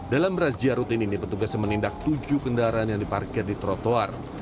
dalam razia rutin ini petugas menindak tujuh kendaraan yang diparkir di trotoar